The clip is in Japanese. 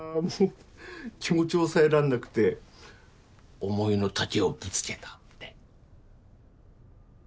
気持ちを抑えらんなくて思いの丈をぶつけた。